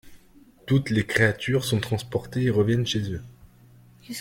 Toutes les créatures sont transportées et reviennent chez eux.